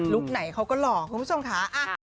ไหนเขาก็หล่อคุณผู้ชมค่ะ